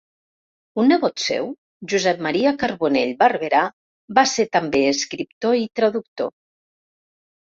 Un nebot seu, Josep Maria Carbonell Barberà, va ser també escriptor i traductor.